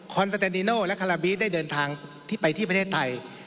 คอนเซตตานิโนและคาราบีทได้เดินทางไปที่ประเทศไทย